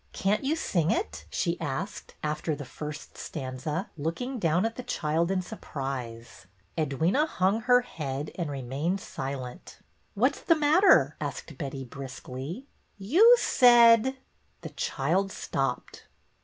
Can't you sing it? " she asked, after the first stanza, looking down at the child in surprise. Edwyna hung her head and remained silent. " What 's the matter ?" asked Betty, briskly. " You said —" The child stopped.